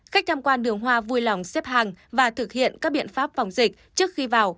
khách tham quan đường hoa vui lòng xếp hàng và thực hiện các biện pháp phòng dịch trước khi vào